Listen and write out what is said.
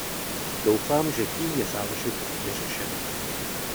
Doufám, že tím je záležitost vyřešena.